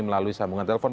melalui sambungan telepon